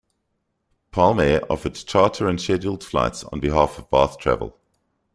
Palmair offered charter and scheduled flights on behalf of Bath Travel.